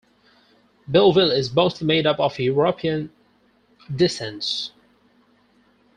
Belleville is mostly made up of European descents.